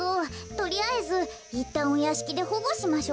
とりあえずいったんおやしきでほごしましょ。